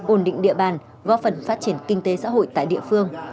ổn định địa bàn góp phần phát triển kinh tế xã hội tại địa phương